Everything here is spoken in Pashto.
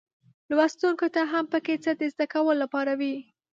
لوستونکو ته هم پکې څه د زده کولو لپاره وي.